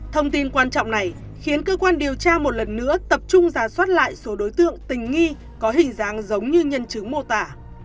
thông tin quan trọng này khiến cơ quan điều tra một lần nữa tập trung giả soát lại số đối tượng tình nghi có hình dáng giống như nhân chứng mô tả